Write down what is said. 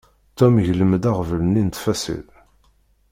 Tom iglem-d aɣbel-nni s ttfaṣil.